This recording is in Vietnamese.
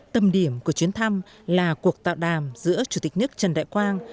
tầm điểm của chuyến thăm là cuộc tạo đàm giữa chủ tịch nước trần đại quang